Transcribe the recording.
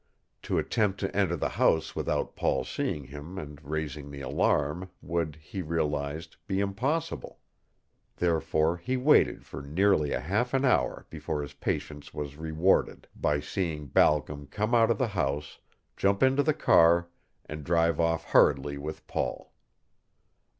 To attempt to enter the house without Paul's seeing him and raising the alarm would, he realized, be impossible. Therefore he waited for nearly half an hour before his patience was rewarded by seeing Balcom come out of the house, jump into the car, and drive off hurriedly with Paul.